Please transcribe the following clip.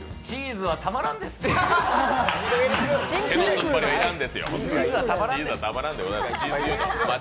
チーズはたまらんです！